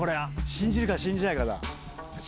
信じるか信じないかだ。